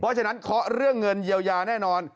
เพราะฉะนั้นเคาะเรื่องเงินเยียวยาแน่นอน